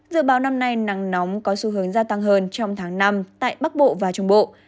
dự báo năm nay nắng nóng có xu hướng gia tăng hơn trong tháng năm tại bắc bộ và trung bộ